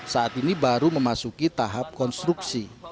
saat ini baru memasuki tahap konstruksi